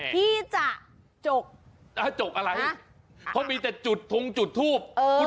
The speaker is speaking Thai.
ที่จะจกจกอะไรเพราะมีแต่จุดทงจุดทูบ